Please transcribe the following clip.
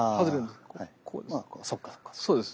こうです。